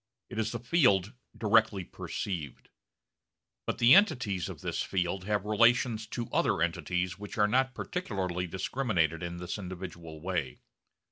It is the field directly perceived. But the entities of this field have relations to other entities which are not particularly discriminated in this individual way.